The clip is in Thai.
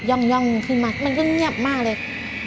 ่องขึ้นมามันก็เงียบมากเลย